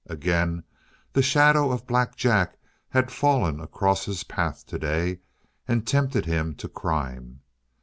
Again the shadow of Black Jack had fallen across his path today and tempted him to crime.